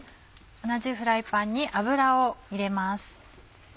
同じフライパンに油を入れます。